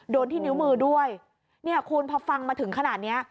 โดนที่นิ้วมือด้วยเนี่ยคุณพอฟังมาถึงขนาดเนี้ย